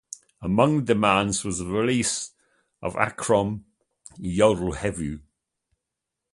Among the demands was the release of Akrom Yo'ldoshev.